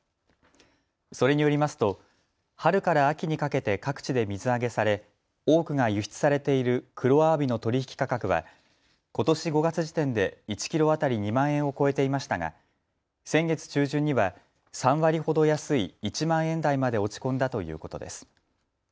それによりますと春から秋にかけて各地で水揚げされ多くが輸出されているクロアワビの取り引き価格はことし５月時点で１キロ当たり２万円を超えていましたが先月中旬には３割ほど安い１万円台まで落ち込んだということです。